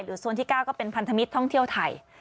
โซนที่๙ก็เป็นพันธมิตรท่องเที่ยวไทย